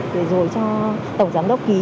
để rồi cho tổng giám đốc ký